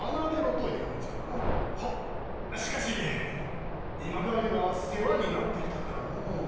しかし今川には世話になってきたからのう。